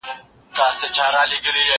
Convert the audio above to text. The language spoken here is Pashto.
یو د بل په کور کي تل به مېلمانه وه